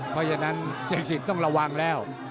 เพราะฉะนั้นเศกศิษย์ต้องระวังแล้ว